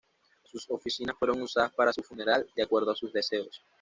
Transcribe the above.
Sus oficinas fueron usadas para su funeral de acuerdo a sus deseos.